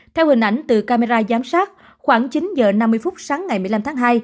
theo hình ảnh từ camera giám sát khoảng chín h năm mươi phút sáng ngày một mươi năm tháng hai